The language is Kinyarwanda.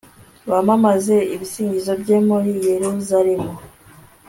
bamamaze ibisingizo bye muri yeruzalemu